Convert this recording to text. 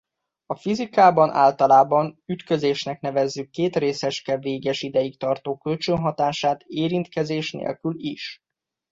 A fizikában általában ütközésnek nevezzük két részecske véges ideig tartó kölcsönhatását érintkezés nélkül is.